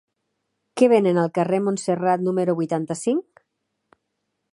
Què venen al carrer de Montserrat número vuitanta-cinc?